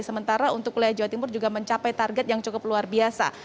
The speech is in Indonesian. sementara untuk wilayah jawa timur juga mencapai target yang cukup luar biasa